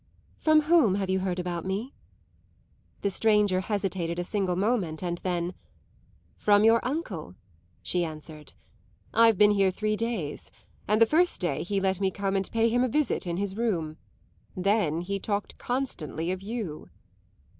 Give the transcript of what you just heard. "From whom have you heard about me?" The stranger hesitated a single moment and then, "From your uncle," she answered. "I've been here three days, and the first day he let me come and pay him a visit in his room. Then he talked constantly of you."